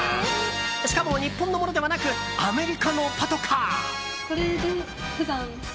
しかも日本のものではなくアメリカのパトカー。